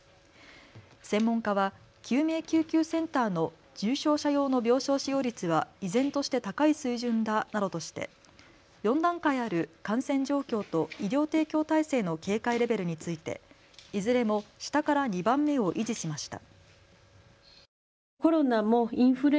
専門家は救命救急センターの重症者用の病床使用率は依然として高い水準だなどとして４段階ある感染状況と医療提供体制の警戒レベルについていずれも下から２番目を維持しました。